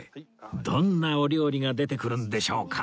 どんなお料理が出てくるんでしょうか？